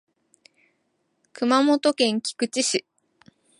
熊本県菊池市